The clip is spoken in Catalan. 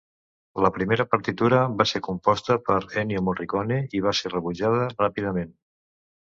La primera partitura va ser composta per Ennio Morricone i va ser rebutjada ràpidament.